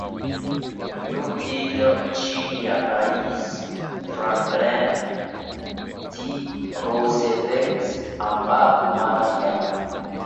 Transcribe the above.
New Deal chini ya rais Franklin D Roosevelt ambako mara ya